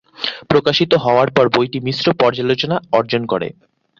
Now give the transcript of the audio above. প্রকাশিত হওয়ার পর বইটি মিশ্র পর্যালোচনা অর্জন করে।